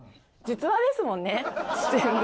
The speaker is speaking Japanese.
実話ですもんね？